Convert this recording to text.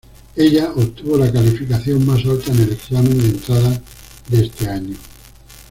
Ella obtuvo la calificación más alta en el examen de entrada de este año.